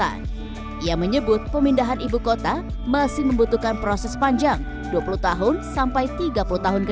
aspirasional muda berharap populasi muda dan bagaimana ekonomi itu berkembang